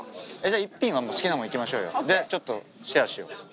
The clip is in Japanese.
一品は好きなもんいきましょうよでちょっとシェアしよう。